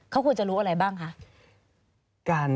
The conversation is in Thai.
เขาควรจะรู้อะไรบ้างคะ